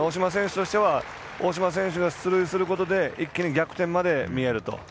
大島選手が出塁することで一気に逆転まで見えると。